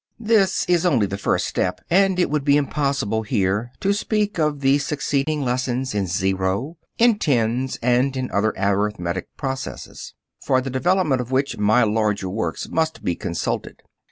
This is only the first step, and it would be impossible here to speak of the succeeding lessons in zero, in tens and in other arithmetical processes for the development of which my larger works must be consulted.